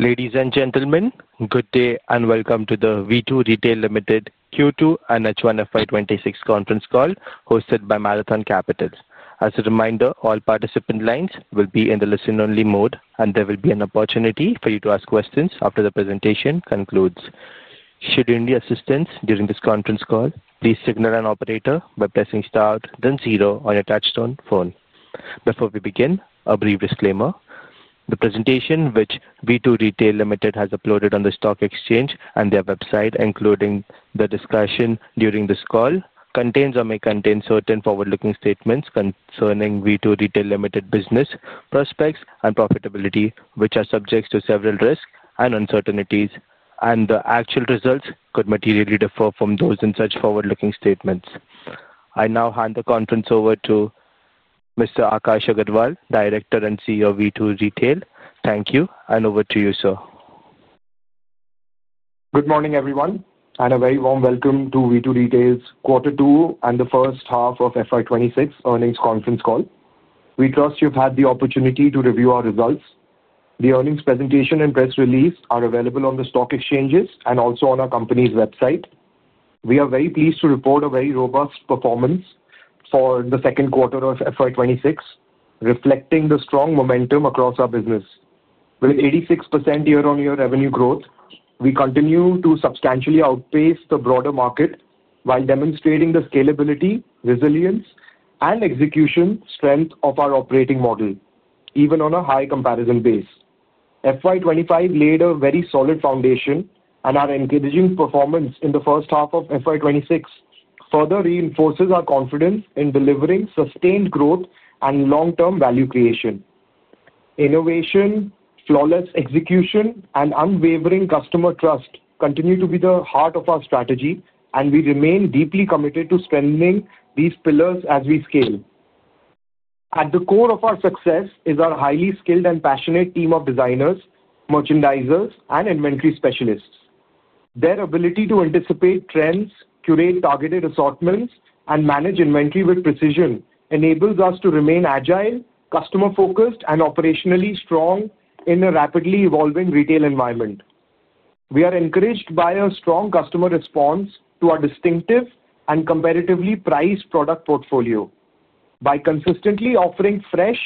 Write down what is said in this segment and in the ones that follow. Ladies and gentlemen, good day and welcome to the V2 Retail Limited Q2 and H1 FY 2026 conference call hosted by Marathon Capitals. As a reminder, all participant lines will be in the listen-only mode, and there will be an opportunity for you to ask questions after the presentation concludes. Should you need assistance during this conference call, please signal an operator by pressing star then zero on your touchstone phone. Before we begin, a brief disclaimer: the presentation which V2 Retail Limited has uploaded on the stock exchange and their website, including the discussion during this call, contains or may contain certain forward-looking statements concerning V2 Retail Limited business prospects and profitability, which are subject to several risks and uncertainties, and the actual results could materially differ from those in such forward-looking statements. I now hand the conference over to Mr. Akash Agarwal, Director and CEO of V2 Retail. Thank you, and over to you, sir. Good morning, everyone, and a very warm welcome to V2 Retail's Q2 and the first half of FY 2026 earnings conference call. We trust you've had the opportunity to review our results. The earnings presentation and press release are available on the stock exchanges and also on our company's website. We are very pleased to report a very robust performance for the Q2 of FY 2026, reflecting the strong momentum across our business. With 86% year-on-year revenue growth, we continue to substantially outpace the broader market while demonstrating the scalability, resilience, and execution strength of our operating model, even on a high comparison base. FY 2025 laid a very solid foundation, and our encouraging performance in the first half of FY 2026 further reinforces our confidence in delivering sustained growth and long-term value creation. Innovation, flawless execution, and unwavering customer trust continue to be the heart of our strategy, and we remain deeply committed to strengthening these pillars as we scale. At the core of our success is our highly skilled and passionate team of designers, merchandisers, and inventory specialists. Their ability to anticipate trends, curate targeted assortments, and manage inventory with precision enables us to remain agile, customer-focused, and operationally strong in a rapidly evolving retail environment. We are encouraged by our strong customer response to our distinctive and competitively priced product portfolio. By consistently offering fresh,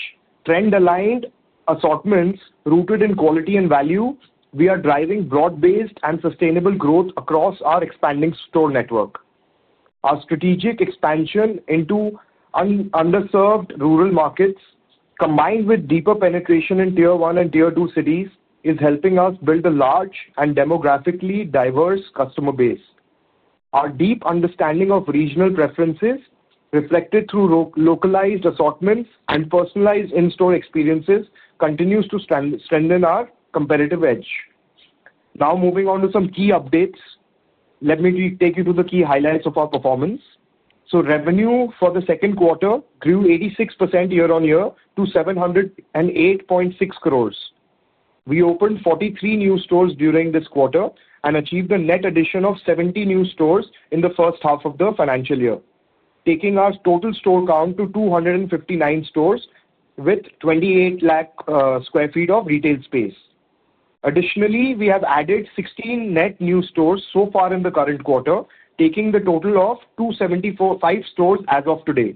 trend-aligned assortments rooted in quality and value, we are driving broad-based and sustainable growth across our expanding store network. Our strategic expansion into underserved rural markets, combined with deeper penetration in Tier I and Tier II cities, is helping us build a large and demographically diverse customer base. Our deep understanding of regional preferences, reflected through localized assortments and personalized in-store experiences, continues to strengthen our competitive edge. Now, moving on to some key updates, let me take you to the key highlights of our performance. Revenue for the Q2 grew 86% year-on-year to 2,708.6 crore. We opened 43 new stores during this quarter and achieved a net addition of 70 new stores in the first half of the financial year, taking our total store count to 259 stores with 2.8 million sq ft of retail space. Additionally, we have added 16 net new stores so far in the current quarter, taking the total to 275 stores as of today.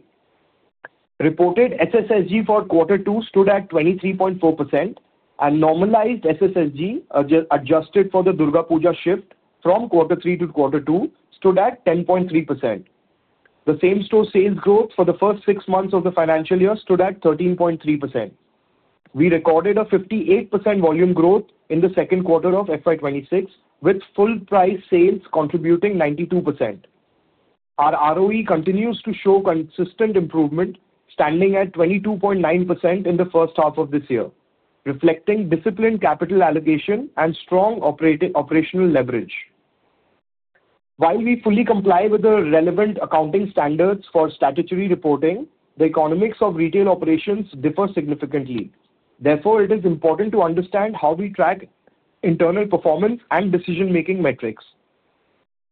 Reported SSSG for Q2 stood at 23.4%, and normalized SSSG adjusted for the Durga Puja shift from Q3 to Q2 stood at 10.3%. The same store sales growth for the first six months of the financial year stood at 13.3%. We recorded a 58% volume growth in the Q2 of FY 2026, with full-price sales contributing 92%. Our ROE continues to show consistent improvement, standing at 22.9% in the first half of this year, reflecting disciplined capital allocation and strong operational leverage. While we fully comply with the relevant accounting standards for statutory reporting, the economics of retail operations differ significantly. Therefore, it is important to understand how we track internal performance and decision-making metrics.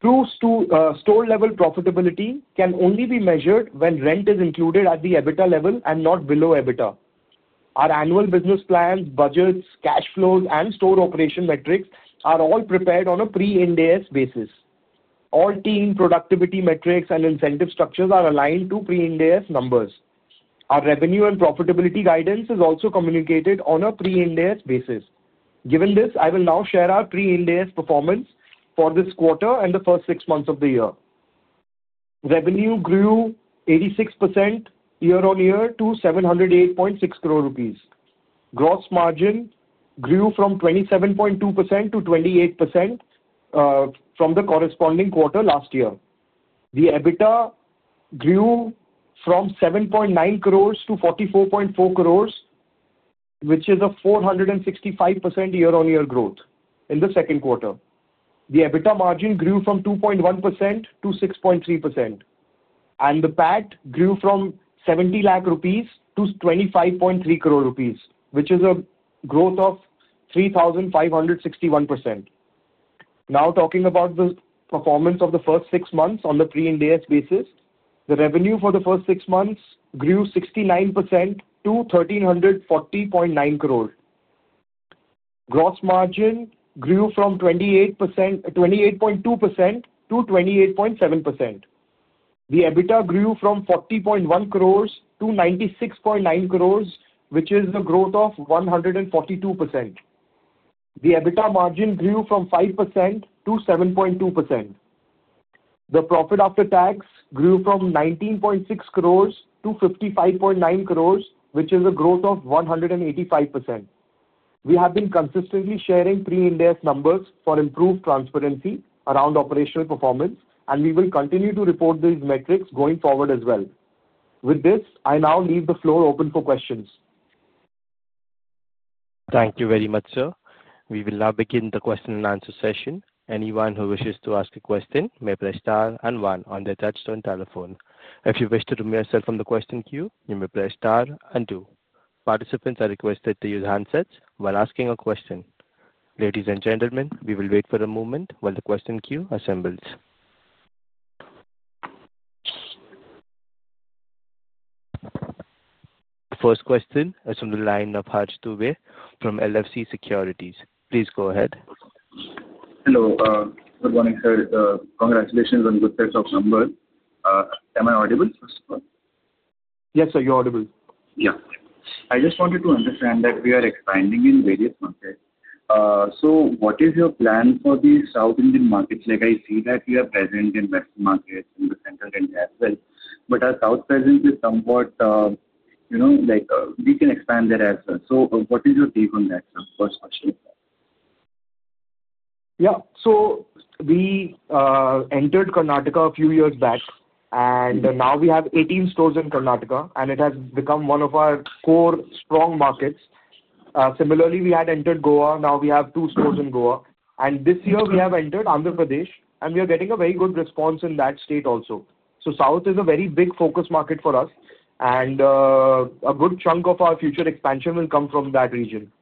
True store-level profitability can only be measured when rent is included at the EBITDA level and not below EBITDA. Our annual business plans, budgets, cash flows, and store operation metrics are all prepared on a pre-IND AS basis. All team productivity metrics and incentive structures are aligned to pre-IND AS numbers. Our revenue and profitability guidance is also communicated on a pre-IND AS basis. Given this, I will now share our pre-IND AS performance for this quarter and the first six months of the year. Revenue grew 86% year-on-year to 2,708.6 crore rupees. Gross margin grew from 27.2% to 28% from the corresponding quarter last year. The EBITDA grew from 7.9 crore to 44.4 crore, which is a 465% year-on-year growth in the Q2. The EBITDA margin grew from 2.1% to 6.3%, and the PAT grew from 7 million rupees to 253 million rupees, which is a growth of 3,561%. Now, talking about the performance of the first six months on the pre-IND AS basis, the revenue for the first six months grew 69% to 1,340.9 crore. Gross margin grew from 28.2% to 28.7%. The EBITDA grew from 40.1 crore to 96.9 crore, which is a growth of 142%. The EBITDA margin grew from 5% to 7.2%. The profit after tax grew from 19.6 crore to 55.9 crore, which is a growth of 185%. We have been consistently sharing pre-IND AS numbers for improved transparency around operational performance, and we will continue to report these metrics going forward as well. With this, I now leave the floor open for questions. Thank you very much, sir. We will now begin the Q&A session. Anyone who wishes to ask a question may press star and one on their touchstone telephone. If you wish to remove yourself from the question queue, you may press star and two. Participants are requested to use handsets while asking a question. Ladies and gentlemen, we will wait for a moment while the question queue assembles. The first question is from the line of [Hajj Dube] from L.F.C. Securities. Please go ahead. Hello. Good morning, sir. Congratulations on the success of the number. Am I audible? Yes, sir. You're audible. Yeah. I just wanted to understand that we are expanding in various markets. What is your plan for the South Indian markets? Like I see that you are present in Western markets and Central India as well, but our South presence is somewhat like we can expand there as well. What is your take on that, sir? First question. Yeah. We entered Karnataka a few years back, and now we have 18 stores in Karnataka, and it has become one of our core strong markets. Similarly, we had entered Goa. Now we have two stores in Goa. This year, we have entered Andhra Pradesh, and we are getting a very good response in that state also. South is a very big focus market for us, and a good chunk of our future expansion will come from that region.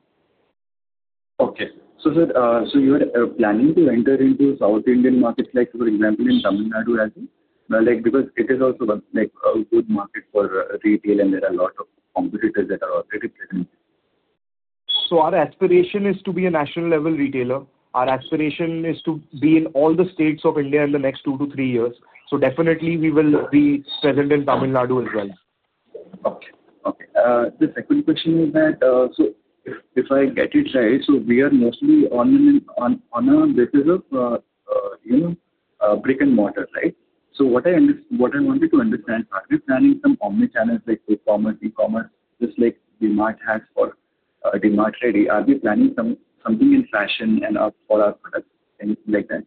Okay. So you are planning to enter into South Indian markets, like for example, in Tamil Nadu as well? Because it is also a good market for retail, and there are a lot of competitors that are already present. Our aspiration is to be a national-level retailer. Our aspiration is to be in all the states of India in the next two to three years. Definitely, we will be present in Tamil Nadu as well. Okay. Okay. The second question is that, so if I get it right, we are mostly on a bit of brick and mortar, right? What I wanted to understand, are we planning some omnichannels like e-commerce, e-commerce, just like D-Mart has for D-Mart Ready? Are we planning something in fashion and for our products, anything like that?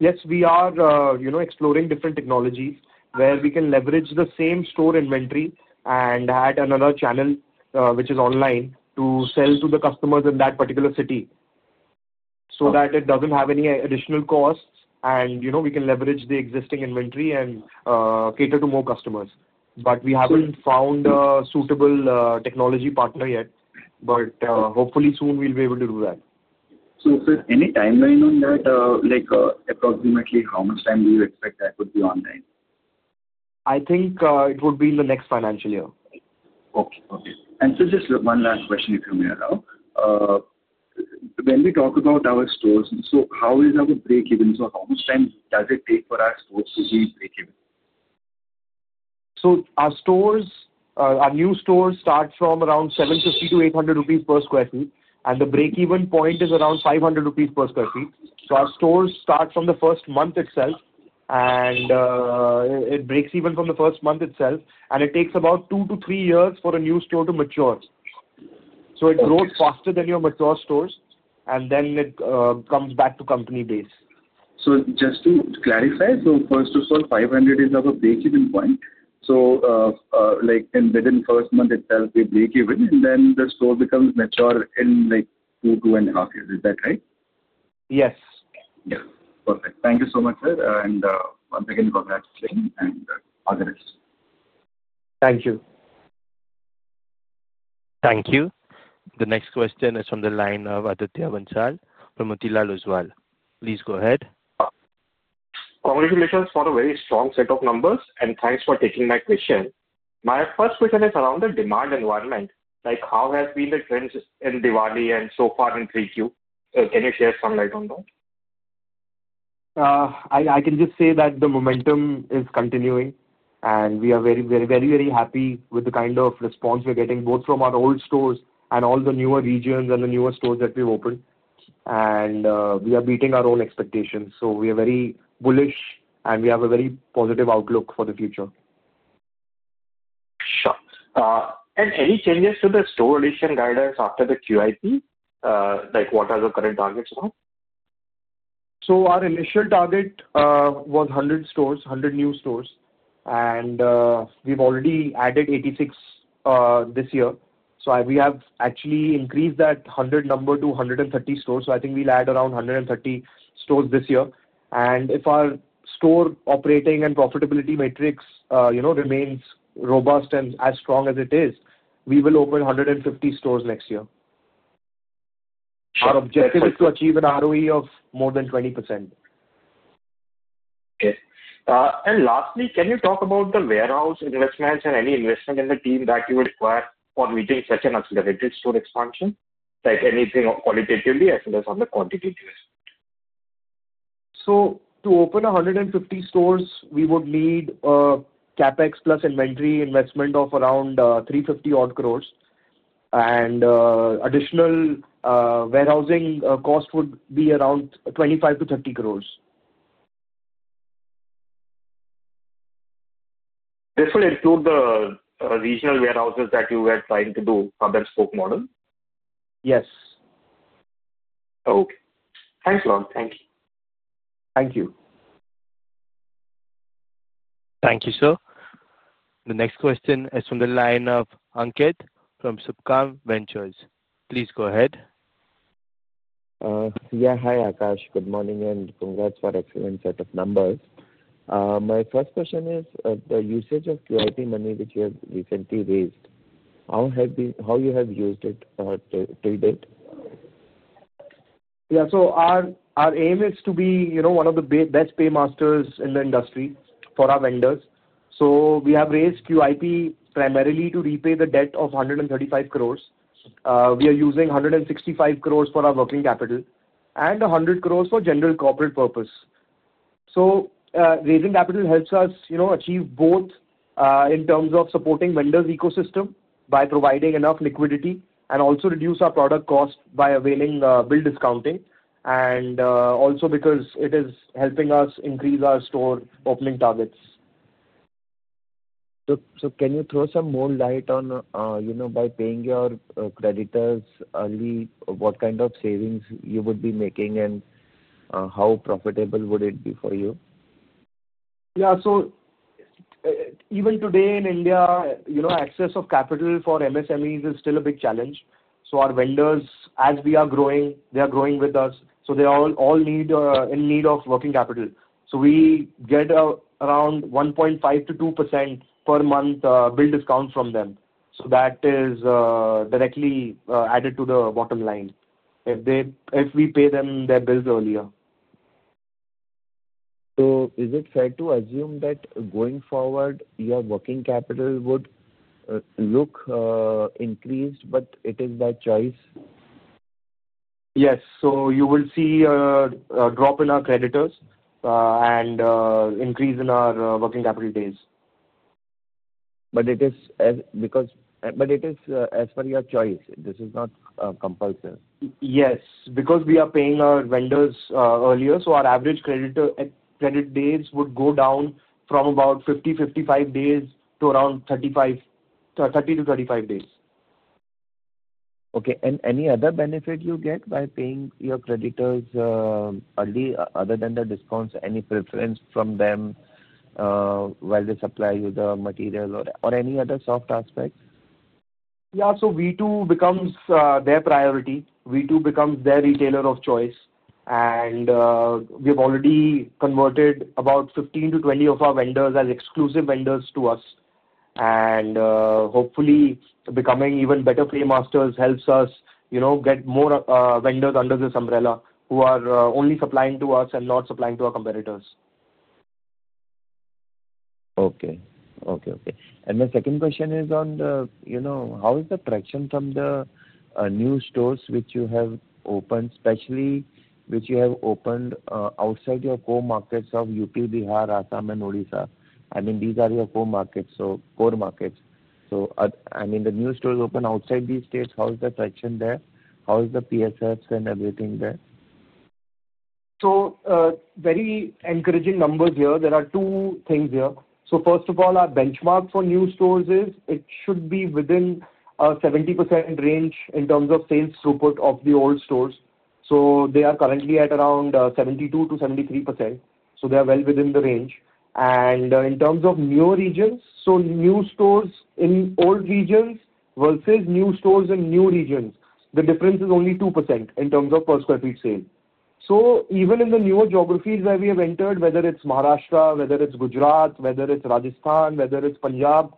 Yes, we are exploring different technologies where we can leverage the same store inventory and add another channel, which is online, to sell to the customers in that particular city so that it does not have any additional costs, and we can leverage the existing inventory and cater to more customers. We have not found a suitable technology partner yet, but hopefully soon we will be able to do that. Sir, any timeline on that? Approximately how much time do you expect that would be online? I think it would be in the next financial year. Okay. Okay. Just one last question, if you may allow. When we talk about our stores, how is our break-even? How much time does it take for our stores to be break-even? Our new stores start from around 750-800 rupees per sq ft, and the break-even point is around 500 rupees per sq ft. Our stores start from the first month itself, and it breaks even from the first month itself, and it takes about two to three years for a new store to mature. It grows faster than your mature stores, and then it comes back to company base. Just to clarify, 500 per sq ft is our break-even point. Within the first month itself, we break even, and then the store becomes mature in like two, two and a half years. Is that right? Yes. Yeah. Perfect. Thank you so much, sir. Once again, congratulations and all the best. Thank you. Thank you. The next question is from the line of Aditya Bansal from Motilal Oswal. Please go ahead. Congratulations for a very strong set of numbers, and thanks for taking my question. My first question is around the demand environment. How have been the trends in Diwali and so far in 3Q? Can you share some light on that? I can just say that the momentum is continuing, and we are very, very happy with the kind of response we're getting both from our old stores and all the newer regions and the newer stores that we've opened. We are beating our own expectations. We are very bullish, and we have a very positive outlook for the future. Sure. Any changes to the store addition guidance after the QIP? What are the current targets now? Our initial target was 100 stores, 100 new stores, and we've already added 86 stores this year. We have actually increased that 100 stores number to 130 stores. I think we'll add around 130 stores this year. If our store operating and profitability metrics remain robust and as strong as it is, we will open 150 stores next year. Our objective is to achieve an ROE of more than 20%. Okay. Lastly, can you talk about the warehouse investments and any investment in the team that you would require for meeting such an accelerated store expansion? Anything qualitatively as well as on the quantity investment? To open 150 stores, we would need a CapEx plus inventory investment of around 350 crore, and additional warehousing cost would be around 25-30 crore. This will include the regional warehouses that you were trying to do for the spoke model? Yes. Okay. Thanks, Lord. Thank you. Thank you. Thank you, sir. The next question is from the line of Ankit Babel from Subhkam Ventures. Please go ahead. Yeah. Hi, Akash. Good morning, and congrats for the excellent set of numbers. My first question is the usage of QIP money which you have recently raised. How you have used it to date? Yeah. Our aim is to be one of the best paymasters in the industry for our vendors. We have raised QIP primarily to repay the debt of 135 crore. We are using 165 crore for our working capital and 100 crore for general corporate purpose. Raising capital helps us achieve both in terms of supporting vendors' ecosystem by providing enough liquidity and also reduce our product cost by availing bill discounting and also because it is helping us increase our store opening targets. Can you throw some more light on by paying your creditors early, what kind of savings you would be making, and how profitable would it be for you? Yeah. Even today in India, access of capital for MSMEs is still a big challenge. Our vendors, as we are growing, they are growing with us. They all need working capital. We get around 1.5%-2% per month bill discount from them. That is directly added to the bottom line if we pay them their bills earlier. Is it fair to assume that going forward, your working capital would look increased, but it is by choice? Yes. You will see a drop in our creditors and increase in our working capital days. It is as per your choice. This is not compulsory. Yes. Because we are paying our vendors earlier, our average credit days would go down from about 50 days-55 days to around 30 days-35 days. Okay. Any other benefit you get by paying your creditors early other than the discounts? Any preference from them while they supply you the material or any other soft aspects? Yeah. V2 becomes their priority. V2 becomes their retailer of choice. We have already converted about 15-20 of our vendors as exclusive vendors to us. Hopefully, becoming even better paymasters helps us get more vendors under this umbrella who are only supplying to us and not supplying to our competitors. Okay. Okay. My second question is on how is the traction from the new stores which you have opened, especially which you have opened outside your core markets of UP, Bihar, Assam, and Odisha? I mean, these are your core markets, so core markets. I mean, the new stores open outside these states. How is the traction there? How is the PSFs and everything there? Very encouraging numbers here. There are two things here. First of all, our benchmark for new stores is it should be within a 70% range in terms of sales throughput of the old stores. They are currently at around 72%-73%. They are well within the range. In terms of newer regions, new stores in old regions versus new stores in new regions, the difference is only 2% in terms of per sq ft sale. Even in the newer geographies where we have entered, whether it is Maharashtra, Gujarat, Rajasthan, or Punjab,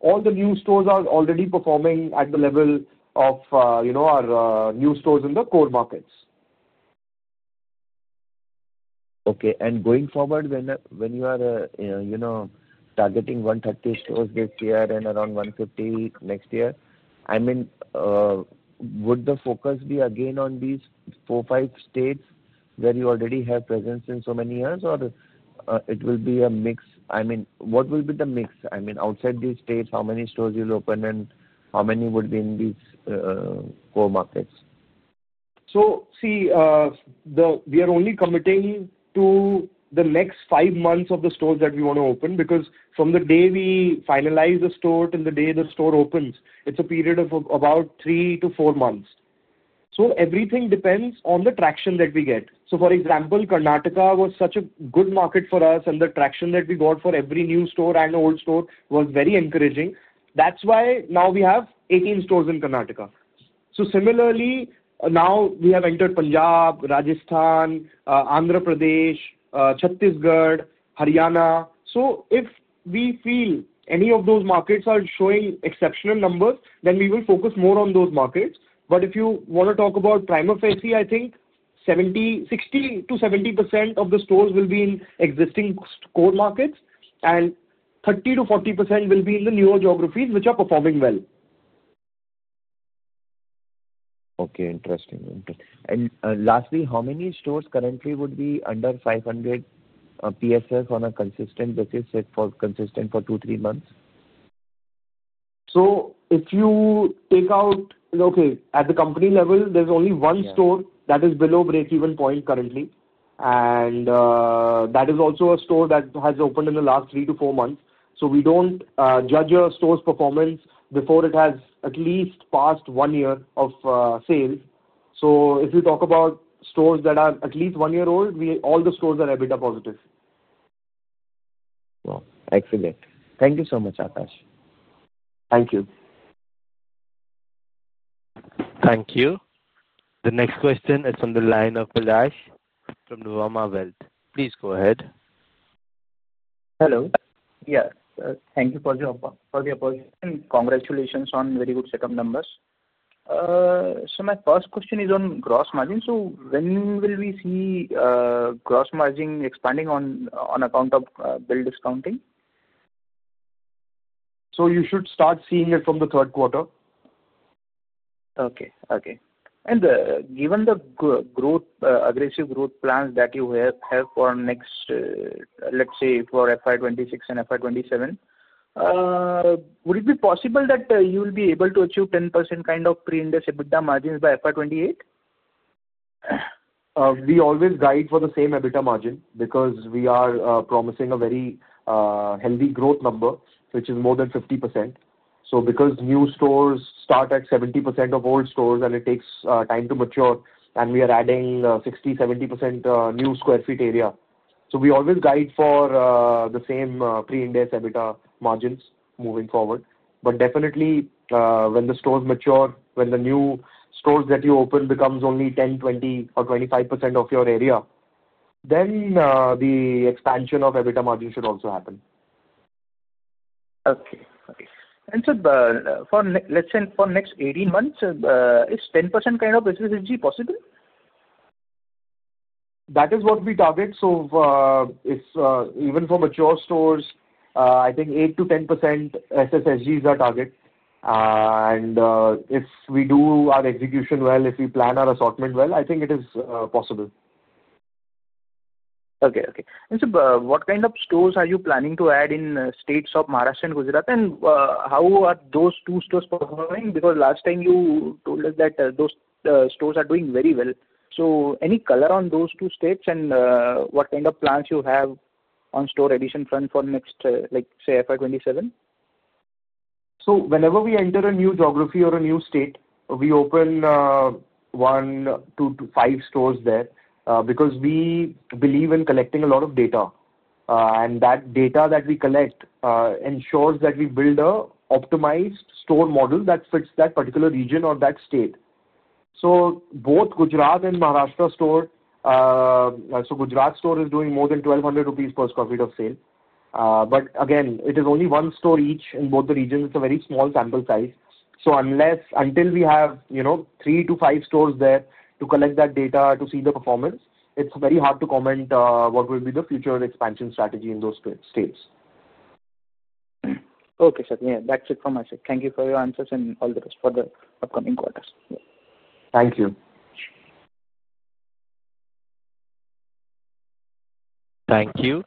all the new stores are already performing at the level of our new stores in the core markets. Okay. Going forward, when you are targeting 130 stores this year and around 150 next year, I mean, would the focus be again on these four, five states where you already have presence in so many years, or it will be a mix? I mean, what will be the mix? I mean, outside these states, how many stores will open, and how many would be in these core markets? See, we are only committing to the next five months of the stores that we want to open because from the day we finalize the store to the day the store opens, it's a period of about three to four months. Everything depends on the traction that we get. For example, Karnataka was such a good market for us, and the traction that we got for every new store and old store was very encouraging. That's why now we have 18 stores in Karnataka. Similarly, now we have entered Punjab, Rajasthan, Andhra Pradesh, Chhattisgarh, Haryana. If we feel any of those markets are showing exceptional numbers, then we will focus more on those markets. If you want to talk about prime of FSC, I think 60%-70% of the stores will be in existing core markets, and 30%-40% will be in the newer geographies which are performing well. Okay. Interesting. Lastly, how many stores currently would be under 500 PSF on a consistent basis for two-three months? If you take out, okay, at the company level, there is only one store that is below break-even point currently, and that is also a store that has opened in the last three to four months. We do not judge a store's performance before it has at least passed one year of sales. If you talk about stores that are at least one year old, all the stores are EBITDA positive. Wow. Excellent. Thank you so much, Akash. Thank you. Thank you. The next question is from the line of Palash Kawale from Nuvama Wealth. Please go ahead. Hello. Yes. Thank you for the opportunity. Congratulations on very good set of numbers. My first question is on gross margin. When will we see gross margin expanding on account of bill discounting? You should start seeing it from the Q3. Okay. Okay. Given the aggressive growth plans that you have for next, let's say, for FY 2026 and FY 2027, would it be possible that you will be able to achieve 10% kind of pre-IND AS EBITDA margins by FY 2028? We always guide for the same EBITDA margin because we are promising a very healthy growth number, which is more than 50%. Because new stores start at 70% of old stores and it takes time to mature, and we are adding 60%-70% new square feet area. We always guide for the same pre-IND AS EBITDA margins moving forward. Definitely, when the stores mature, when the new stores that you open become only 10%, 20%, or 25% of your area, the expansion of EBITDA margin should also happen. Okay. Okay. Let's say for the next 18 months, is 10% kind of SSSG possible? That is what we target. Even for mature stores, I think 8%-10% SSSG is our target. If we do our execution well, if we plan our assortment well, I think it is possible. Okay. Okay. What kind of stores are you planning to add in states of Maharashtra and Gujarat? How are those two stores performing? Because last time you told us that those stores are doing very well. Any color on those two states and what kind of plans you have on store addition front for next, say, financial year 2027? Whenever we enter a new geography or a new state, we open one to five stores there because we believe in collecting a lot of data. That data that we collect ensures that we build an optimized store model that fits that particular region or that state. Both Gujarat and Maharashtra store, so Gujarat store is doing more than 1,200 rupees per sq ft of sale. Again, it is only one store each in both the regions. It is a very small sample size. Until we have three to five stores there to collect that data to see the performance, it is very hard to comment what will be the future expansion strategy in those states. Okay. Okay. That's it from my side. Thank you for your answers and all the best for the upcoming quarters. Thank you. Thank you.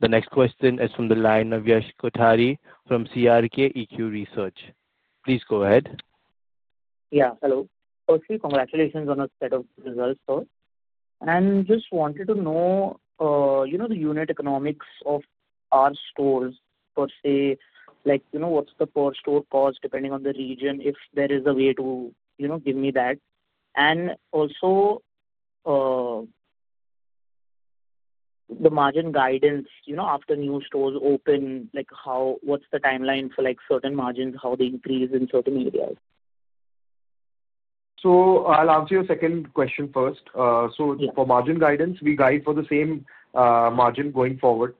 The next question is from the line of Yash Kothari from KRChoksey EQ Research. Please go ahead. Yeah. Hello. Firstly, congratulations on a set of results though. I just wanted to know the unit economics of our stores per se, what's the per store cost depending on the region, if there is a way to give me that. Also, the margin guidance after new stores open, what's the timeline for certain margins, how they increase in certain areas? I'll answer your second question first. For margin guidance, we guide for the same margin going forward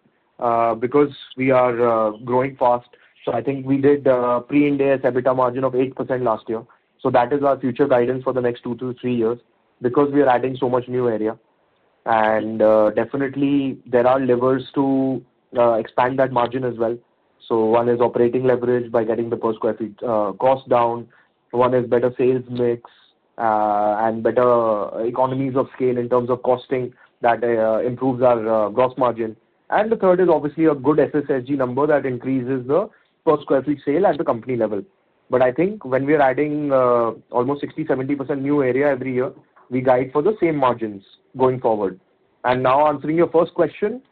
because we are growing fast. I think we did pre-IND AS EBITDA margin of 8% last year. That is our future guidance for the next two to three years because we are adding so much new area. There are levers to expand that margin as well. One is operating leverage by getting the per sq ft cost down. One is better sales mix and better economies of scale in terms of costing that improves our gross margin. The third is obviously a good SSSG number that increases the per sq ft sale at the company level. I think when we are adding almost 60%-70% new area every year, we guide for the same margins going forward. Now answering your first question,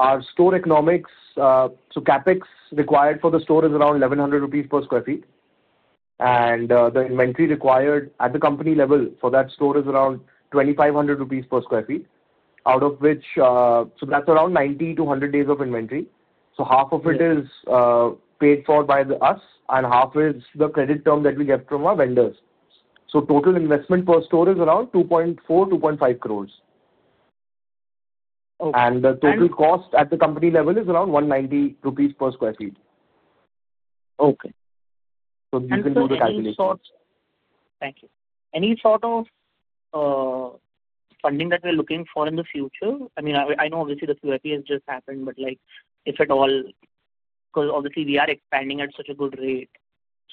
our store economics, CapEx required for the store is around 1,100 rupees per sq ft. The inventory required at the company level for that store is around 2,500 rupees per sq ft, which is around 90-100 days of inventory. Half of it is paid for by us, and half is the credit term that we get from our vendors. Total investment per store is around 2.4-2.5 crore. The total cost at the company level is around 190 rupees per sq ft. Okay. You can do the calculation. Thank you. Any sort of funding that you're looking for in the future? I mean, I know obviously the QIP has just happened, but if at all, because obviously we are expanding at such a good rate.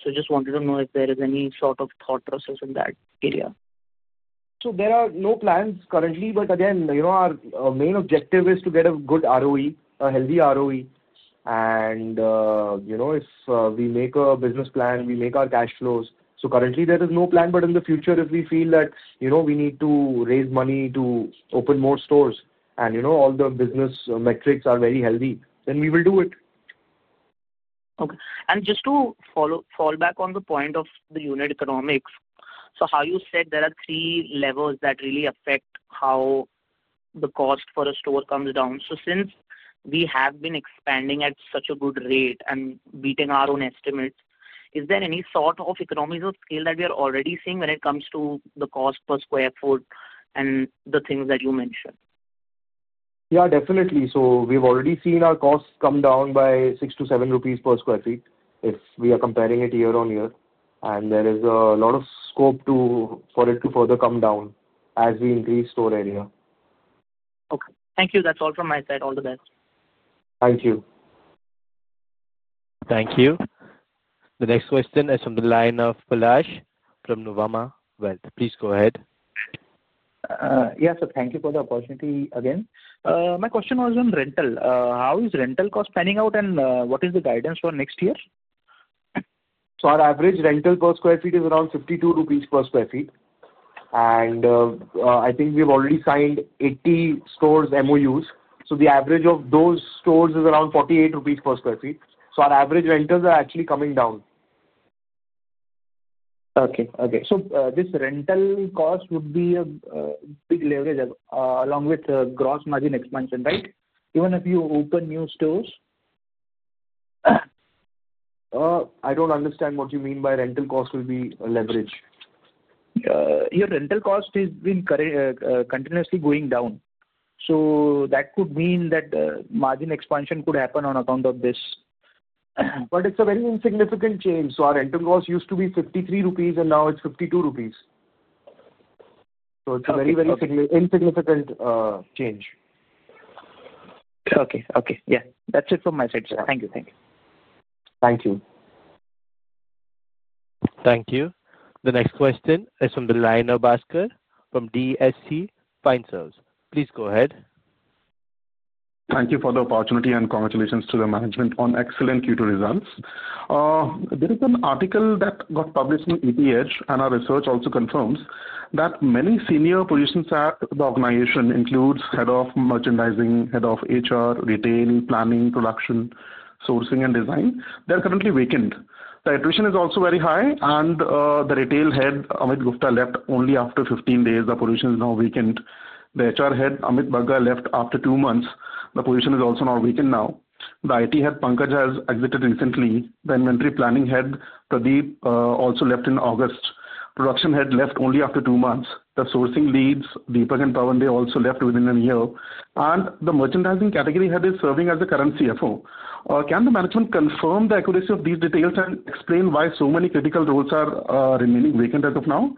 I just wanted to know if there is any sort of thought process in that area. There are no plans currently, but again, our main objective is to get a good ROE, a healthy ROE. If we make a business plan, we make our cash flows. Currently, there is no plan, but in the future, if we feel that we need to raise money to open more stores and all the business metrics are very healthy, then we will do it. Okay. Just to fall back on the point of the unit economics, how you said there are three levels that really affect how the cost for a store comes down. Since we have been expanding at such a good rate and beating our own estimates, is there any sort of economies of scale that we are already seeing when it comes to the cost per square foot and the things that you mentioned? Yeah, definitely. We have already seen our costs come down by 6-7 rupees per sq ft if we are comparing it year-on-year. There is a lot of scope for it to further come down as we increase store area. Okay. Thank you. That's all from my side. All the best. Thank you. Thank you. The next question is from the line of Pillai from Nuvama Wealth. Please go ahead. Yes. Thank you for the opportunity again. My question was on rental. How is rental costs panning out, and what is the guidance for next year? Our average rental per sq ft is around 52 rupees per sq ft. I think we've already signed 80 stores MOUs. The average of those stores is around 48 rupees per sq ft. Our average rentals are actually coming down. Okay. Okay. So this rental cost would be a big leverage along with gross margin expansion, right? Even if you open new stores? I don't understand what you mean by rental cost will be leverage. Your rental cost has been continuously going down. That could mean that margin expansion could happen on account of this. It is a very insignificant change. Our rental cost used to be 53 rupees, and now it is 52 rupees. It is a very, very insignificant change. Okay. Okay. Yeah. That's it from my side. Thank you. Thank you. Thank you. Thank you. The next question is from the line of [Bhaskar from Axis Securities]. Please go ahead. Thank you for the opportunity and congratulations to the management on excellent Q2 results. There is an article that got published in ETH, and our research also confirms that many senior positions at the organization, including Head of Merchandising, Head of HR, Retail, Planning, Production, Sourcing, and Design, are currently vacant. The attrition is also very high, and the Retail Head, Amit Gupta, left only after 15 days. The position is now vacant. The HR Head, Amit Bagga, left after two months. The position is also now vacant. The IT Head, Pankaj, has exited recently. The Inventory Planning Head, Paradeep Jajoria, also left in August. Production Head left only after two months. The Sourcing Leads, Deepak Gupta and Pawande, also left within a year. The Merchandising Category Head is serving as the current CFO. Can the management confirm the accuracy of these details and explain why so many critical roles are remaining vacant as of now?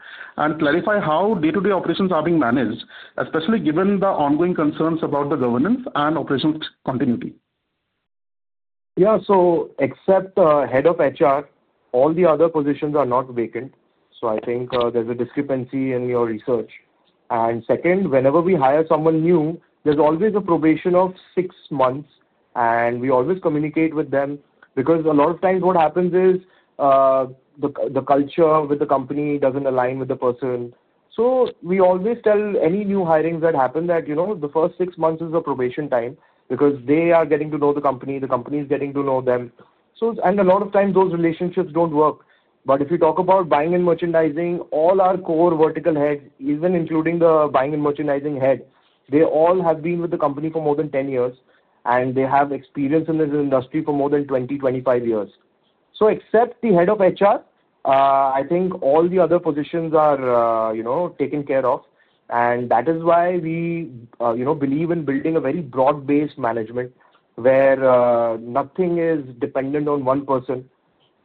Clarify how day-to-day operations are being managed, especially given the ongoing concerns about the governance and operational continuity? Yeah. So except Head of HR, all the other positions are not vacant. I think there's a discrepancy in your research. Second, whenever we hire someone new, there's always a probation of six months, and we always communicate with them because a lot of times what happens is the culture with the company doesn't align with the person. We always tell any new hirings that happen that the first six months is a probation time because they are getting to know the company, the company is getting to know them. A lot of times those relationships don't work. If you talk about buying and merchandising, all our core vertical heads, even including the buying and merchandising head, they all have been with the company for more than 10 years, and they have experience in this industry for more than 20 years-25 years. Except the Head of HR, I think all the other positions are taken care of. That is why we believe in building a very broad-based management where nothing is dependent on one person.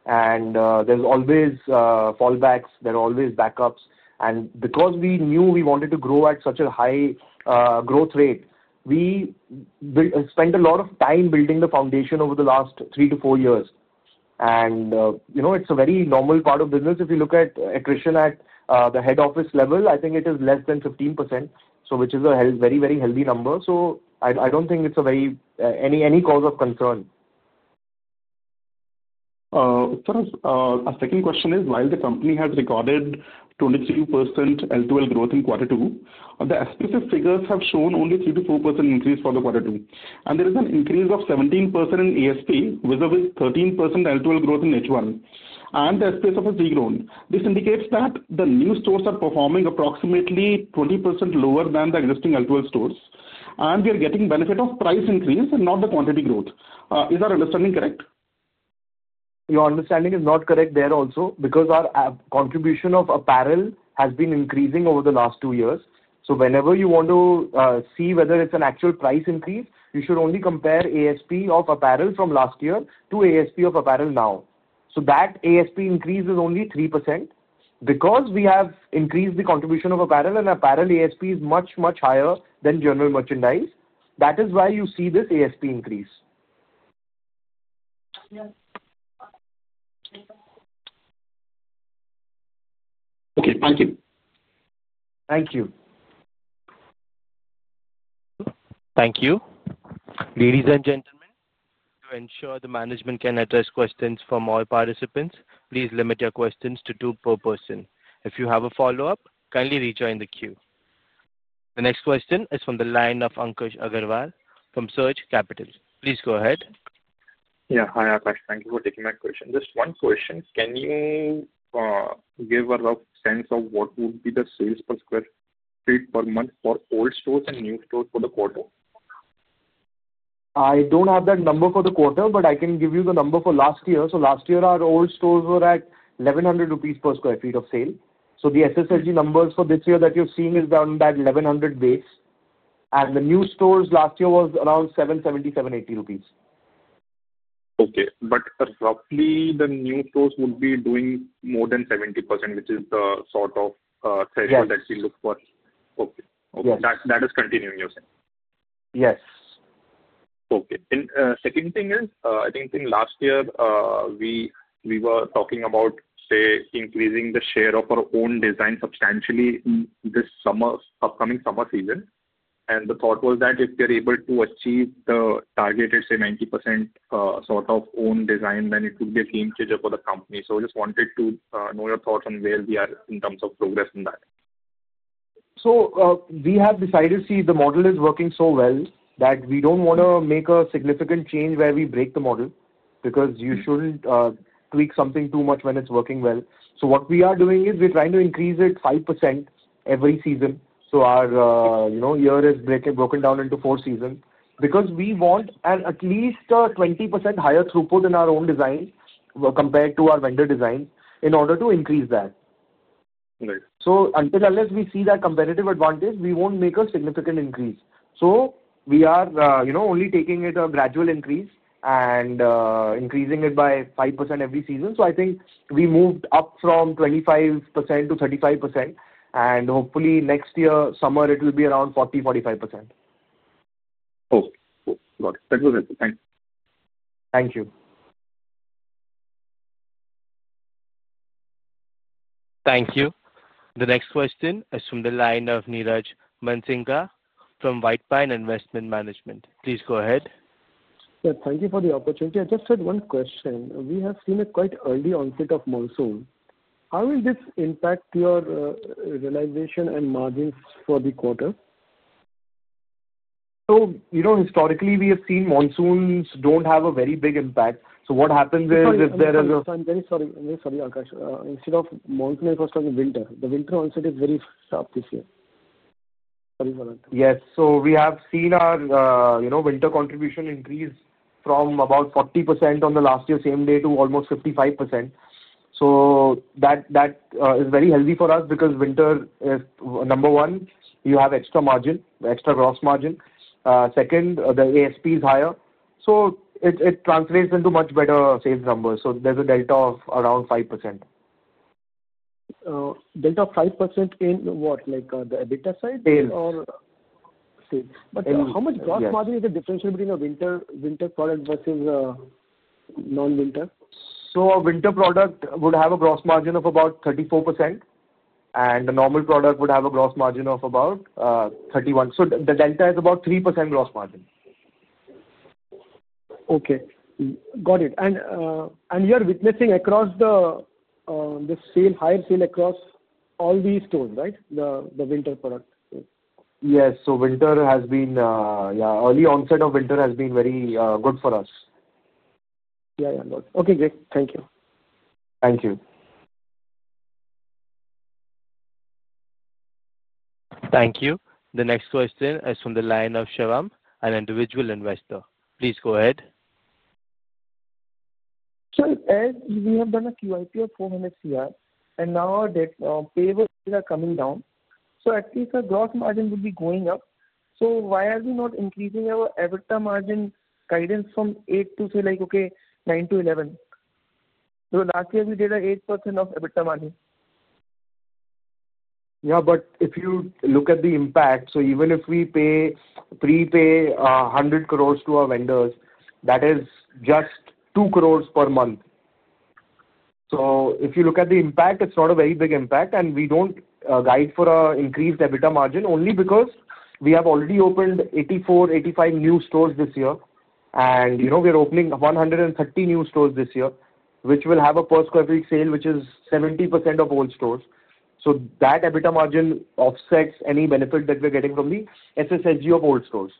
There are always fallbacks. There are always backups. Because we knew we wanted to grow at such a high growth rate, we spent a lot of time building the foundation over the last three to four years. It is a very normal part of business. If you look at attrition at the head office level, I think it is less than 15%, which is a very, very healthy number. I do not think it is any cause of concern. Uttaras, our second question is, while the company has recorded 23% L2L growth in Q2, the SPFS figures have shown only 3%-4% increase for Q2. There is an increase of 17% in ASP vis-à-vis 13% L2L growth in H1. The SPFS has regrown. This indicates that the new stores are performing approximately 20% lower than the existing L2L stores. We are getting benefit of price increase and not the quantity growth. Is our understanding correct? Your understanding is not correct there also because our contribution of apparel has been increasing over the last two years. Whenever you want to see whether it's an actual price increase, you should only compare ASP of apparel from last year to ASP of apparel now. That ASP increase is only 3% because we have increased the contribution of apparel, and apparel ASP is much, much higher than general merchandise. That is why you see this ASP increase. Okay. Thank you. Thank you. Thank you. Ladies and gentlemen, to ensure the management can address questions from all participants, please limit your questions to two per person. If you have a follow-up, kindly rejoin the queue. The next question is from the line of Ankush Agarwal from Surge Capital. Please go ahead. Yeah. Hi, Ankash. Thank you for taking my question. Just one question. Can you give us a sense of what would be the sales per sq ft per month for old stores and new stores for the quarter? I don't have that number for the quarter, but I can give you the number for last year. Last year, our old stores were at 1,100 rupees per sq ft of sale. The SSSG numbers for this year that you're seeing is around that 1,100 base. The new stores last year was around 770-780 rupees. Okay. Roughly, the new stores would be doing more than 70%, which is the sort of threshold that we look for. Yes. Okay. Okay. That is continuing, you're saying? Yes. Okay. Second thing is, I think last year, we were talking about, say, increasing the share of our own design substantially this upcoming summer season. The thought was that if we are able to achieve the target, let's say, 90% sort of own design, then it would be a game changer for the company. I just wanted to know your thoughts on where we are in terms of progress on that. We have decided, see, the model is working so well that we don't want to make a significant change where we break the model because you shouldn't tweak something too much when it's working well. What we are doing is we're trying to increase it 5% every season. Our year is broken down into four seasons because we want at least 20% higher throughput in our own design compared to our vendor design in order to increase that. Right. Until and unless we see that competitive advantage, we won't make a significant increase. We are only taking it a gradual increase and increasing it by 5% every season. I think we moved up from 25% to 35%, and hopefully, next year summer, it will be around 40%-45%. Oh, got it. That was it. Thanks. Thank you. Thank you. The next question is from the line of Niraj Mansingka from White Pine Investment Management. Please go ahead. Thank you for the opportunity. I just had one question. We have seen a quite early onset of monsoon. How will this impact your realization and margins for the quarter? Historically, we have seen monsoons do not have a very big impact. What happens is if there is a. Sorry, Ankash. I'm very sorry. I'm very sorry, Ankash. Instead of monsoon, I was talking winter. The winter onset is very sharp this year. Sorry for that. Yes. We have seen our winter contribution increase from about 40% on the last year same day to almost 55%. That is very healthy for us because winter is, number one, you have extra margin, extra gross margin. Second, the ASP is higher. It translates into much better sales numbers. There is a delta of around 5%. Delta of 5% in what? Like the EBITDA side or? Sales. How much gross margin is the differential between a winter product versus non-winter? A winter product would have a gross margin of about 34%, and a normal product would have a gross margin of about 31%. The delta is about 3% gross margin. Okay. Got it. You're witnessing higher sale across all these stores, right? The winter product. Yes. Winter has been, early onset of winter has been very good for us. Yeah. Yeah. Okay. Great. Thank you. Thank you. Thank you. The next question is from the line of Shivam, an individual investor. Please go ahead. We have done a QIP of 400 crore, and now our payables are coming down. At least our gross margin will be going up. Why are we not increasing our EBITDA margin guidance from 8% to, say, 9%-11%? Last year, we did an 8% EBITDA margin. Yeah. If you look at the impact, even if we prepay 100 crore to our vendors, that is just 2 crore per month. If you look at the impact, it is not a very big impact. We do not guide for an increased EBITDA margin only because we have already opened 84-85 new stores this year. We are opening 130 new stores this year, which will have a per sq ft sale, which is 70% of old stores. That EBITDA margin offsets any benefit that we are getting from the SSSG of old stores.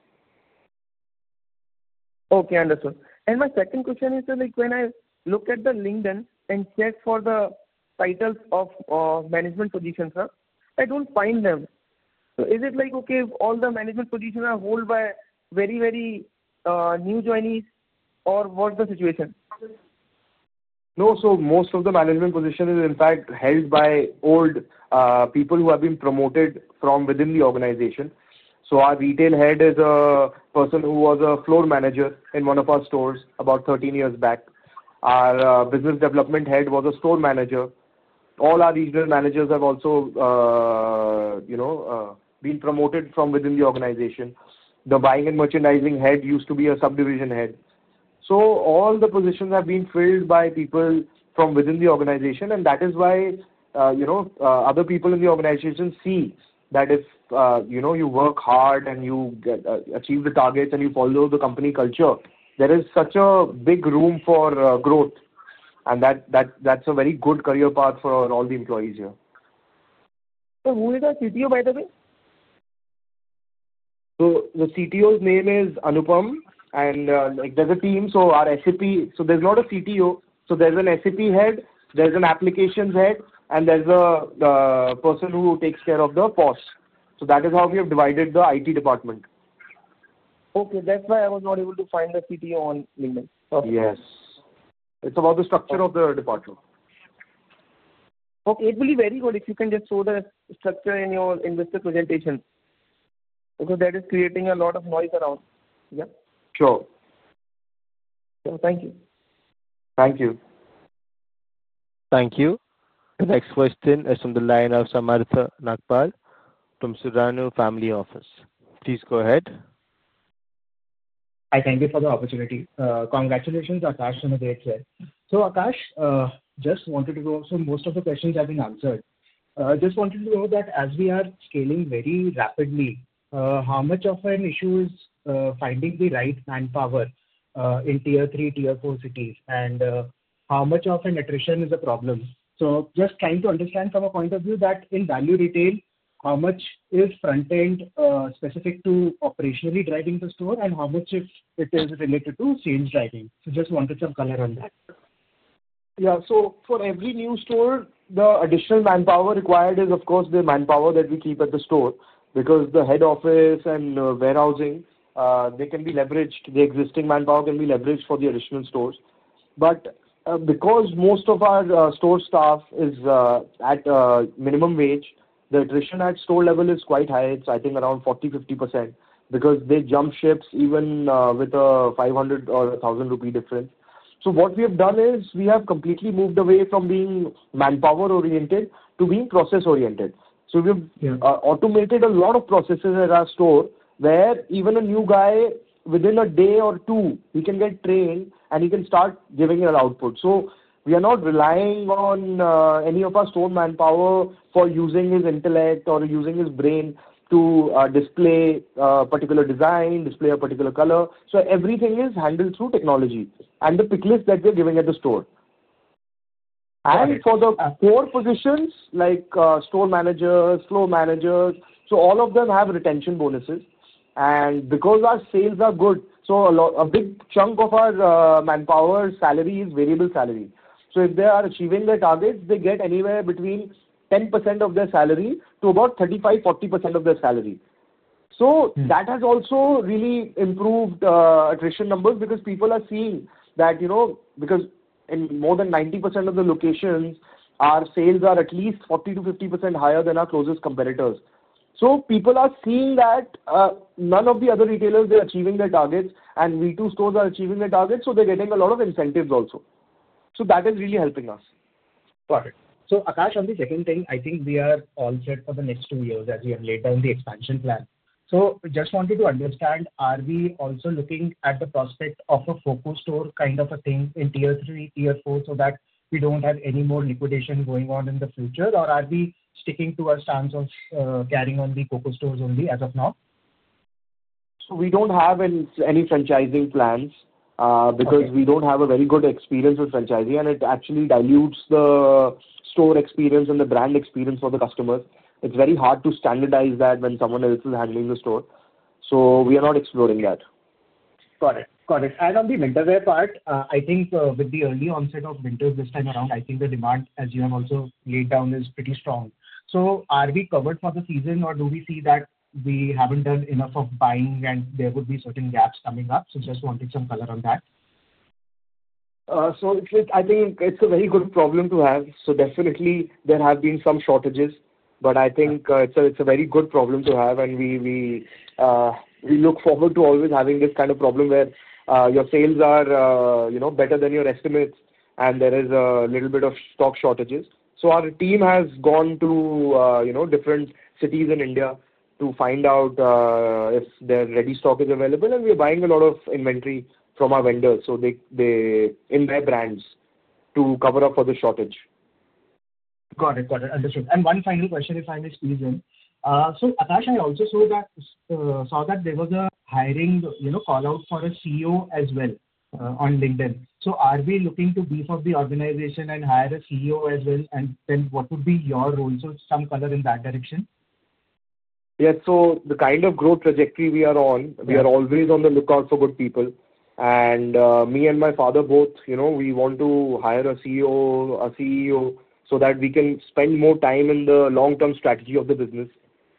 Okay. Understood. My second question is when I look at LinkedIn and check for the titles of management positions, I do not find them. Is it like, okay, all the management positions are held by very, very new joinees, or what is the situation? No. Most of the management positions are, in fact, held by old people who have been promoted from within the organization. Our retail head is a person who was a floor manager in one of our stores about 13 years back. Our business development head was a store manager. All our regional managers have also been promoted from within the organization. The buying and merchandising head used to be a subdivision head. All the positions have been filled by people from within the organization. That is why other people in the organization see that if you work hard and you achieve the targets and you follow the company culture, there is such a big room for growth. That is a very good career path for all the employees here. So who is our CTO, by the way? The CTO's name is Anupam. There is a team. Our SAP, so there is not a CTO. There is an SAP head, there is an applications head, and there is a person who takes care of the POS. That is how we have divided the IT department. Okay. That's why I was not able to find the CTO on LinkedIn. Yes. It's about the structure of the department. Okay. It will be very good if you can just show the structure in your investor presentation. Because that is creating a lot of noise around. Yeah. Sure. Thank you. Thank you. Thank you. The next question is from the line of Samarth Nagpal from Suranu Family Office. Please go ahead. Hi. Thank you for the opportunity. Congratulations, Akash, on the day today. Akash, just wanted to go, so most of the questions have been answered. I just wanted to know that as we are scaling very rapidly, how much of an issue is finding the right manpower in tier three, tier four cities, and how much of an attrition is a problem? Just trying to understand from a point of view that in value retail, how much is front-end specific to operationally driving the store, and how much it is related to sales driving? Just wanted some color on that. Yeah. For every new store, the additional manpower required is, of course, the manpower that we keep at the store because the head office and warehousing, they can be leveraged. The existing manpower can be leveraged for the additional stores. Because most of our store staff is at minimum wage, the attrition at store level is quite high. It's, I think, around 40%-50% because they jump ships even with a 500 or 1,000 rupee difference. What we have done is we have completely moved away from being manpower-oriented to being process-oriented. We have automated a lot of processes at our store where even a new guy, within a day or two, he can get trained, and he can start giving an output. We are not relying on any of our store manpower for using his intellect or using his brain to display a particular design, display a particular color. Everything is handled through technology and the picklist that we're giving at the store. For the core positions like Store Manager, Floor Manager, all of them have retention bonuses. Because our sales are good, a big chunk of our manpower's salary is variable salary. If they are achieving their targets, they get anywhere between 10% of their salary to about 35%-40% of their salary. That has also really improved attrition numbers because people are seeing that in more than 90% of the locations, our sales are at least 40%-50% higher than our closest competitors. People are seeing that none of the other retailers, they're achieving their targets, and V2 stores are achieving their targets, so they're getting a lot of incentives also. That is really helping us. Got it. Akash, on the second thing, I think we are all set for the next two years as we have laid down the expansion plan. I just wanted to understand, are we also looking at the prospect of a focus store kind of a thing in tier three, tier four so that we do not have any more liquidation going on in the future, or are we sticking to our stance of carrying on the focus stores only as of now? We do not have any franchising plans because we do not have a very good experience with franchising, and it actually dilutes the store experience and the brand experience for the customers. It is very hard to standardize that when someone else is handling the store. We are not exploring that. Got it. Got it. On the winterware part, I think with the early onset of winter this time around, I think the demand, as you have also laid down, is pretty strong. Are we covered for the season, or do we see that we have not done enough of buying, and there would be certain gaps coming up? I just wanted some color on that. I think it's a very good problem to have. Definitely, there have been some shortages, but I think it's a very good problem to have, and we look forward to always having this kind of problem where your sales are better than your estimates, and there is a little bit of stock shortages. Our team has gone to different cities in India to find out if their ready stock is available, and we are buying a lot of inventory from our vendors, in their brands, to cover up for the shortage. Got it. Got it. Understood. One final question, if I may squeeze in. Akash, I also saw that there was a hiring call out for a CEO as well on LinkedIn. Are we looking to beef up the organization and hire a CEO as well? What would be your role? Some color in that direction. Yes. The kind of growth trajectory we are on, we are always on the lookout for good people. Me and my father both, we want to hire a CEO so that we can spend more time in the long-term strategy of the business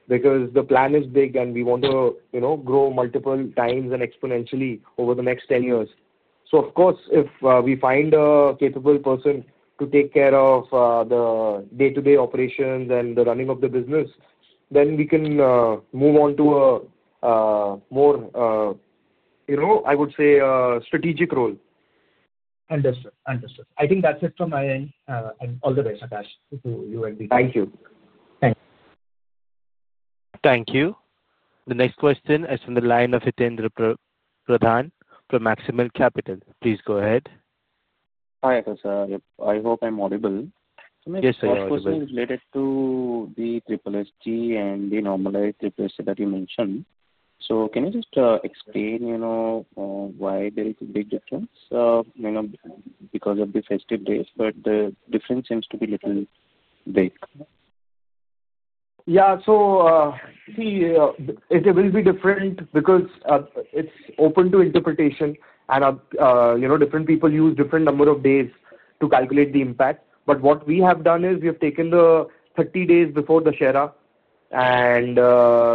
because the plan is big, and we want to grow multiple times and exponentially over the next 10 years. Of course, if we find a capable person to take care of the day-to-day operations and the running of the business, then we can move on to a more, I would say, strategic role. Understood. Understood. I think that's it from my end. All the best, Akash, to you and V2. Thank you. Thank you. Thank you. The next question is from the line of Hitaindra Pradhan from Maximal Capital. Please go ahead. Hi Akash. I hope I'm audible. Yes, sir. My first question is related to the SSSG and the normalized SSSG that you mentioned. Can you just explain why there is a big difference? Because of the festive days, but the difference seems to be a little big. Yeah. See, it will be different because it's open to interpretation, and different people use different number of days to calculate the impact. What we have done is we have taken the 30 days before the shera, and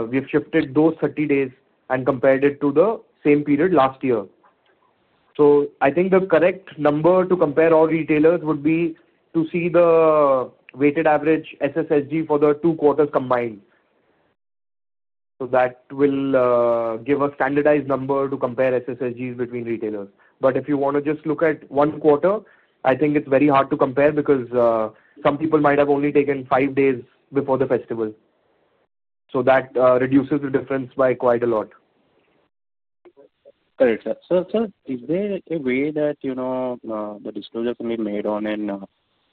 we have shifted those 30 days and compared it to the same period last year. I think the correct number to compare all retailers would be to see the weighted average SSSG for the two quarters combined. That will give a standardized number to compare SSSGs between retailers. If you want to just look at one quarter, I think it's very hard to compare because some people might have only taken five days before the festival. That reduces the difference by quite a lot. Got it. Is there a way that the disclosure can be made on a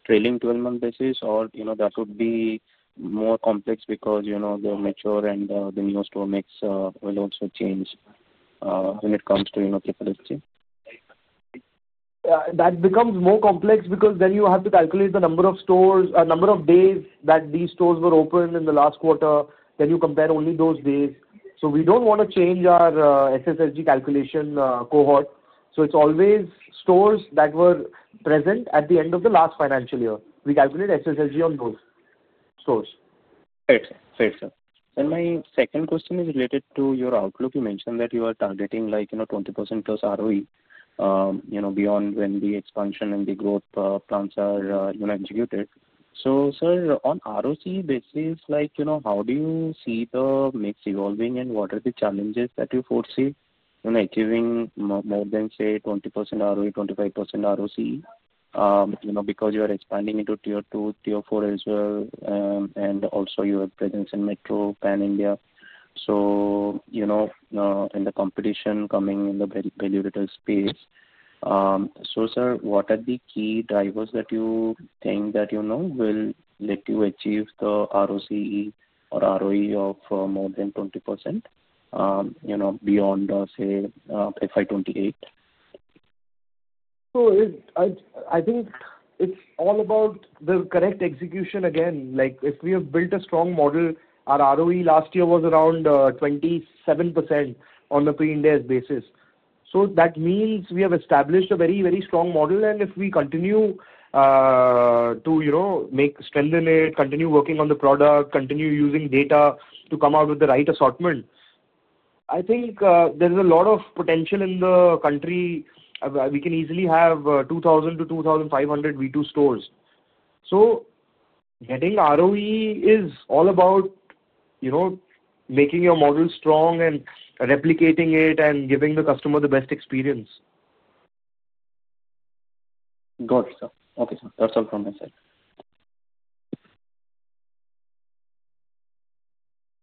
trailing 12-month basis, or that would be more complex because the mature and the new store mix will also change when it comes to Triple HG? That becomes more complex because then you have to calculate the number of stores, the number of days that these stores were open in the last quarter. Then you compare only those days. We do not want to change our SSSG calculation cohort. It is always stores that were present at the end of the last financial year. We calculate SSSG on those stores. Excellent. Excellent. My second question is related to your outlook. You mentioned that you are targeting 20%+ ROE beyond when the expansion and the growth plans are executed. Sir, on ROC basis, how do you see the mix evolving, and what are the challenges that you foresee achieving more than, say, 20% ROE, 25% ROC? Because you are expanding into tier two, tier four as well, and also you have presence in Metro Pan India. In the competition coming in the value-rated space, sir, what are the key drivers that you think that will let you achieve the ROC or ROE of more than 20% beyond, say, FY 2028? I think it's all about the correct execution. Again, if we have built a strong model, our ROE last year was around 27% on a pre-IND AS basis. That means we have established a very, very strong model. If we continue to strengthen it, continue working on the product, continue using data to come out with the right assortment, I think there's a lot of potential in the country. We can easily have 2,000-2,500 V2 stores. Getting ROE is all about making your model strong and replicating it and giving the customer the best experience. Got it, sir. Okay. That's all from my side.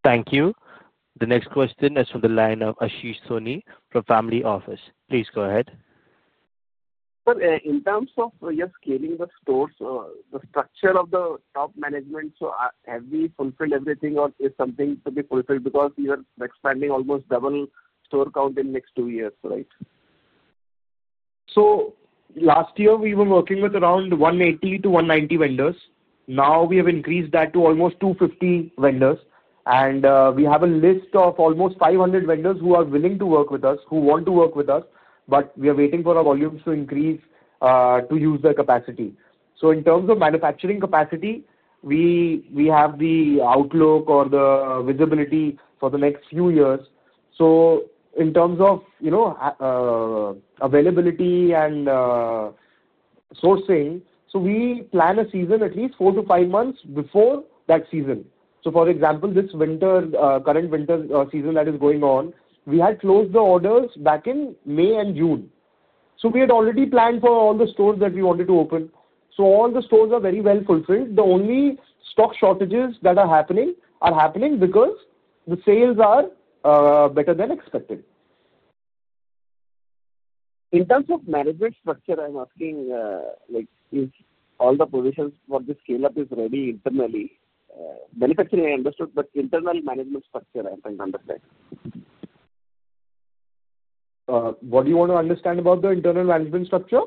Thank you. The next question is from the line of Ashish Soni from Family Office. Please go ahead. Sir, in terms of just scaling the stores, the structure of the top management, so have we fulfilled everything, or is something to be fulfilled? Because you are expanding almost double store count in the next two years, right? Last year, we were working with around 180 to 190 vendors. Now we have increased that to almost 250 vendors. We have a list of almost 500 vendors who are willing to work with us, who want to work with us, but we are waiting for our volumes to increase to use their capacity. In terms of manufacturing capacity, we have the outlook or the visibility for the next few years. In terms of availability and sourcing, we plan a season at least four to five months before that season. For example, this current winter season that is going on, we had closed the orders back in May and June. We had already planned for all the stores that we wanted to open. All the stores are very well fulfilled. The only stock shortages that are happening are happening because the sales are better than expected. In terms of management structure, I'm asking, is all the positions for the scale-up ready internally? Manufacturing, I understood, but internal management structure, I'm trying to understand. What do you want to understand about the internal management structure?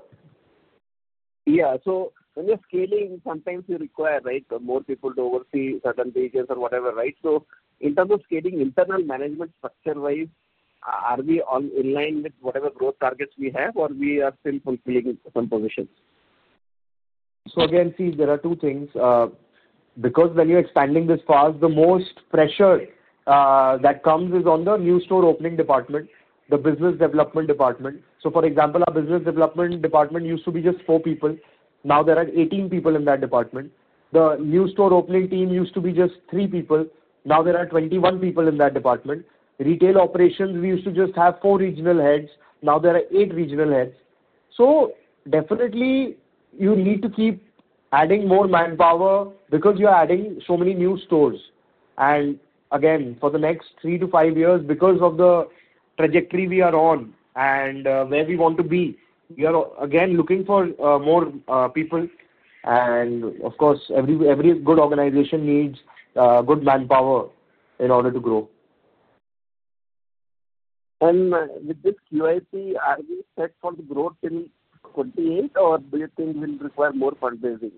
Yeah. So when you're scaling, sometimes you require, right, more people to oversee certain pages or whatever, right? In terms of scaling, internal management structure-wise, are we in line with whatever growth targets we have, or are we still fulfilling some positions? Again, see, there are two things. Because when you're expanding this fast, the most pressure that comes is on the new store opening department, the business development department. For example, our business development department used to be just four people. Now there are 18 people in that department. The new store opening team used to be just three people. Now there are 21 people in that department. Retail operations, we used to just have four regional heads. Now there are eight regional heads. Definitely, you need to keep adding more manpower because you are adding so many new stores. Again, for the next three to five years, because of the trajectory we are on and where we want to be, we are again looking for more people. Of course, every good organization needs good manpower in order to grow. With this QIP, are we set for the growth in 2028, or do you think we'll require more fundraising?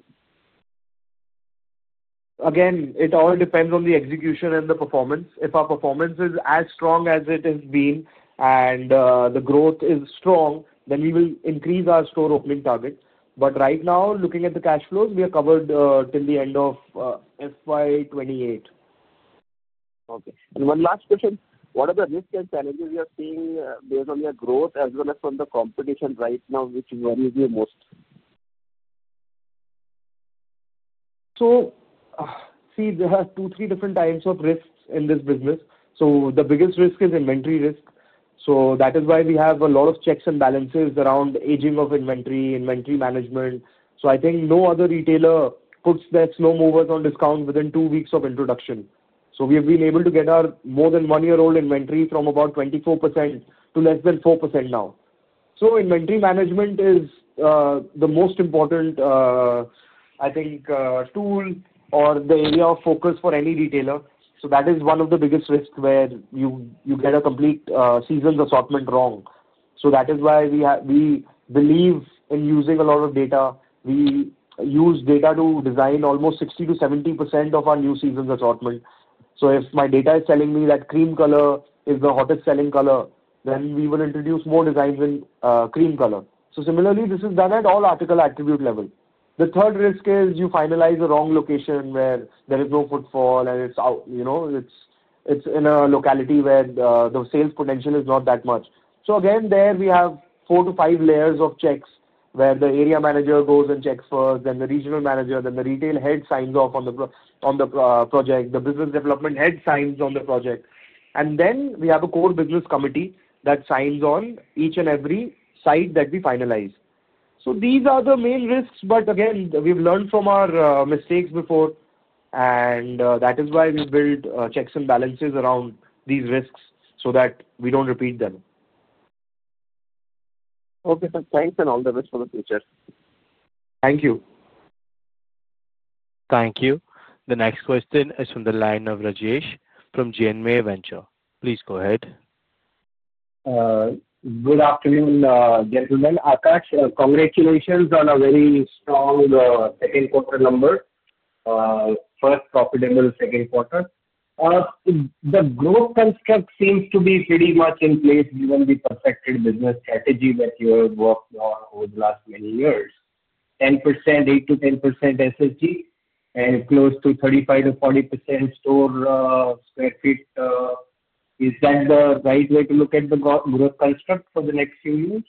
Again, it all depends on the execution and the performance. If our performance is as strong as it has been and the growth is strong, we will increase our store opening target. Right now, looking at the cash flows, we are covered till the end of FY 2028. Okay. One last question. What are the risks and challenges you are seeing based on your growth as well as from the competition right now, which worries you most? There are two, three different types of risks in this business. The biggest risk is inventory risk. That is why we have a lot of checks and balances around aging of inventory, inventory management. I think no other retailer puts their slow movers on discount within two weeks of introduction. We have been able to get our more than one-year-old inventory from about 24% to less than 4% now. Inventory management is the most important, I think, tool or the area of focus for any retailer. That is one of the biggest risks where you get a complete season's assortment wrong. That is why we believe in using a lot of data. We use data to design almost 60%-70% of our new season's assortment. If my data is telling me that cream color is the hottest selling color, then we will introduce more designs in cream color. Similarly, this is done at all article attribute level. The third risk is you finalize the wrong location where there is no footfall, and it is in a locality where the sales potential is not that much. Again, we have four to five layers of checks where the area manager goes and checks first, then the regional manager, then the retail head signs off on the project, the business development head signs on the project. Then we have a core business committee that signs on each and every site that we finalize. These are the main risks, but again, we've learned from our mistakes before, and that is why we build checks and balances around these risks so that we don't repeat them. Okay. Thanks and all the best for the future. Thank you. Thank you. The next question is from the line of Rajesh from JNMA Venture. Please go ahead. Good afternoon, gentlemen. Akash, congratulations on a very strong second-quarter number. First, profitable Q2. The growth construct seems to be pretty much in place given the perfected business strategy that you have worked on over the last many years. 10%, 8%-10% SSG, and close to 35%-40% store sq ft. Is that the right way to look at the growth construct for the next few years?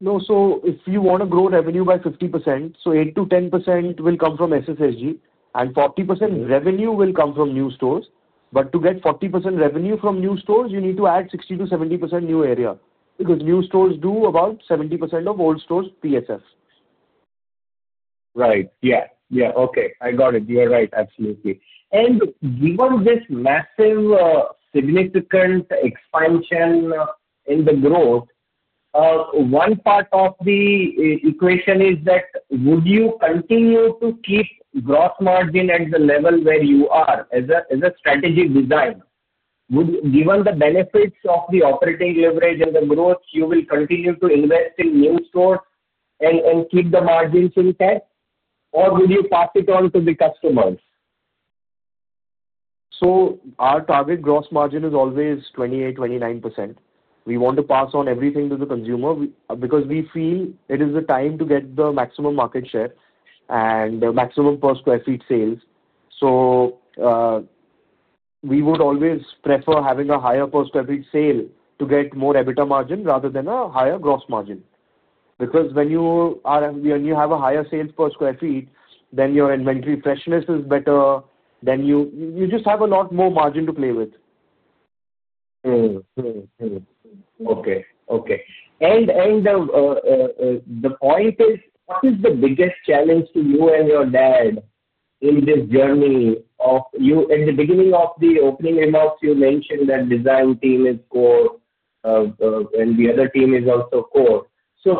No. If you want to grow revenue by 50%, 8%-10% will come from SSSG, and 40% revenue will come from new stores. To get 40% revenue from new stores, you need to add 60%-70% new area because new stores do about 70% of old stores PSF. Right. Yeah. Okay. I got it. You are right. Absolutely. Given this massive, significant expansion in the growth, one part of the equation is that would you continue to keep gross margin at the level where you are as a strategic design? Given the benefits of the operating leverage and the growth, you will continue to invest in new stores and keep the margins intact, or would you pass it on to the customers? Our target gross margin is always 28%-29%. We want to pass on everything to the consumer because we feel it is the time to get the maximum market share and the maximum per sq ft sales. We would always prefer having a higher per sq ft sale to get more EBITDA margin rather than a higher gross margin. When you have a higher sales per sq ft, then your inventory freshness is better. You just have a lot more margin to play with. Okay. Okay. The point is, what is the biggest challenge to you and your dad in this journey of you? In the beginning of the opening remarks, you mentioned that design team is core and the other team is also core. When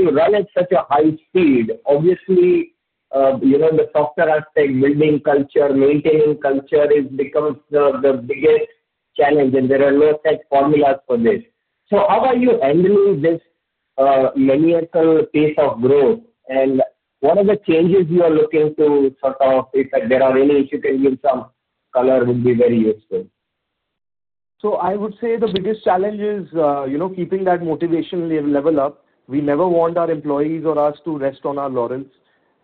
you run at such a high speed, obviously, the software aspect, building culture, maintaining culture becomes the biggest challenge, and there are no set formulas for this. How are you handling this maniacal pace of growth? What are the changes you are looking to sort of, if there are any, if you can give some color, would be very useful. I would say the biggest challenge is keeping that motivation level up. We never want our employees or us to rest on our laurels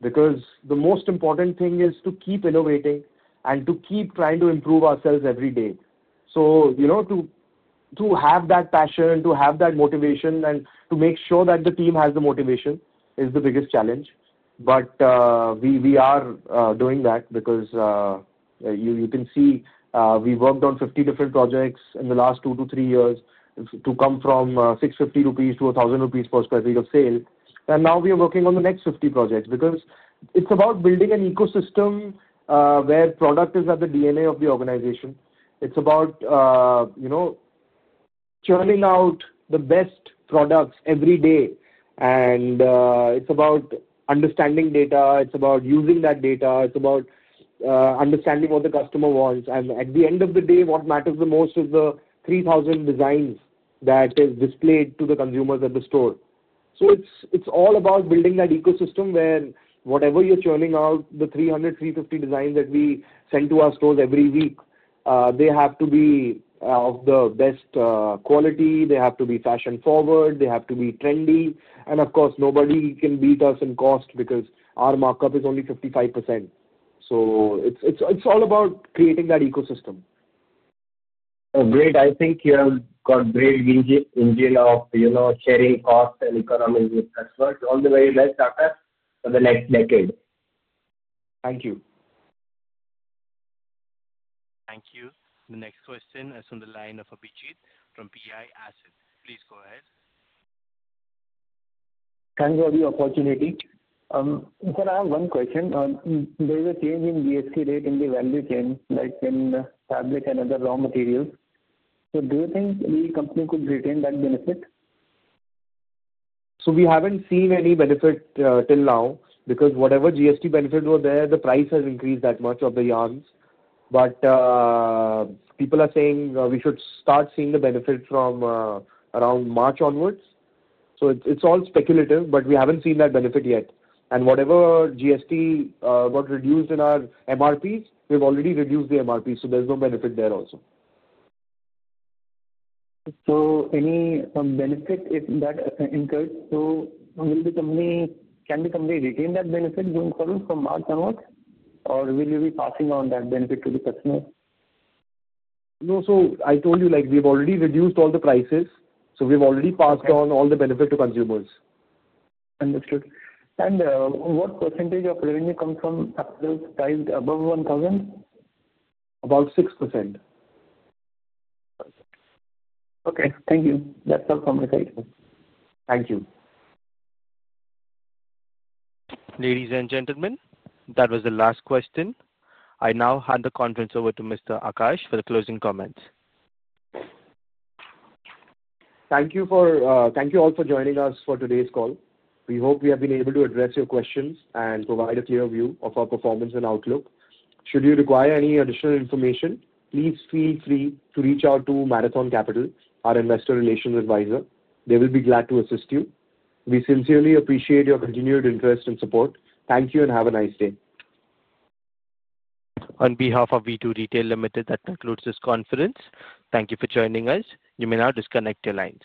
because the most important thing is to keep innovating and to keep trying to improve ourselves every day. To have that passion, to have that motivation, and to make sure that the team has the motivation is the biggest challenge. We are doing that because you can see we worked on 50 different projects in the last two to three years to come from 650 rupees to 1,000 rupees per sq ft of sale. Now we are working on the next 50 projects because it's about building an ecosystem where product is at the DNA of the organization. It's about churning out the best products every day. It's about understanding data. It's about using that data. It's about understanding what the customer wants. At the end of the day, what matters the most is the 3,000 designs that are displayed to the consumers at the store. It's all about building that ecosystem where whatever you're churning out, the 300-350 designs that we send to our stores every week, they have to be of the best quality. They have to be fashion-forward. They have to be trendy. Of course, nobody can beat us in cost because our markup is only 55%. It's all about creating that ecosystem. Great. I think you have got great vision of sharing costs and economies with customers. All the very best, Akash, for the next decade. Thank you. Thank you. The next question is from the line of Abhijit Bishna from PI Asset. Please go ahead. Thanks for the opportunity. Sir, I have one question. There is a change in GST rate in the value chain in fabric and other raw materials. Do you think the company could retain that benefit? We have not seen any benefit till now because whatever GST benefit was there, the price has increased that much of the yarns. People are saying we should start seeing the benefit from around March onwards. It is all speculative, but we have not seen that benefit yet. Whatever GST got reduced in our MRPs, we have already reduced the MRPs. There is no benefit there also. Any benefit if that incurred? Can the company retain that benefit going forward from March onwards, or will you be passing on that benefit to the customers? No. I told you, we've already reduced all the prices. We've already passed on all the benefit to consumers. Understood. What percentage of revenue comes from customers tied above 1,000? About 6%. Okay. Thank you. That's all from my side. Thank you. Ladies and gentlemen, that was the last question. I now hand the conference over to Mr. Akash for the closing comments. Thank you all for joining us for today's call. We hope we have been able to address your questions and provide a clear view of our performance and outlook. Should you require any additional information, please feel free to reach out to Marathon Capitals, our investor relations advisor. They will be glad to assist you. We sincerely appreciate your continued interest and support. Thank you and have a nice day. On behalf of V2 Retail Limited, that concludes this conference. Thank you for joining us. You may now disconnect your lines.